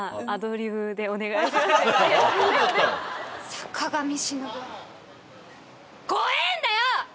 坂上忍怖えんだよ！